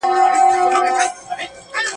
نه د پردي نسیم له پرخو سره وغوړېدم.